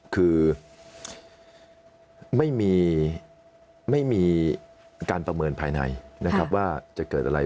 คือไม่มีการประเมินภายในนะครับว่าจะเกิดอะไร